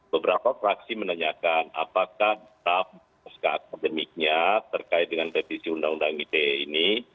beberapa fraksi menanyakan apakah draft sk akademiknya terkait dengan revisi undang undang ite ini